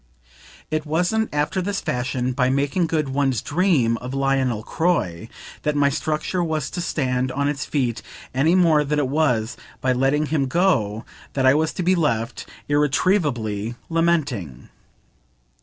It wasn't, after this fashion, by making good one's dream of Lionel Croy that my structure was to stand on its feet any more than it was by letting him go that I was to be left irretrievably lamenting.